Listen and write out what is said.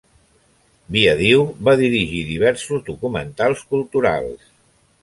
Biadiu va dirigir diversos documentals culturals.